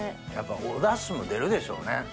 やっぱおダシも出るでしょうね。